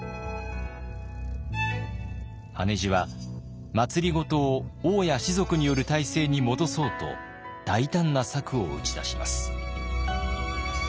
羽地は政を王や士族による体制に戻そうと大胆な策を打ち出します。